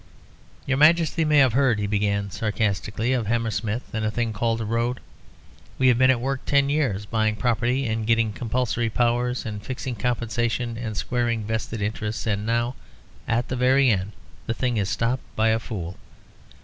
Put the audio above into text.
"Your Majesty may have heard," he began, sarcastically, "of Hammersmith and a thing called a road. We have been at work ten years buying property and getting compulsory powers and fixing compensation and squaring vested interests, and now at the very end, the thing is stopped by a fool.